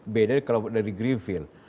beda kalau dari greenfield